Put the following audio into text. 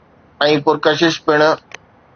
۽ پرڪشش پڻ.